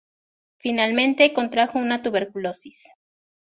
Finalmente contrajo una tuberculosis.